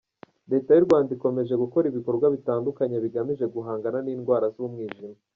Leta y’u Rwanda ikomeje gukora ibikorwa bitandukanye bigamije guhangana n’indwara z’umwijima.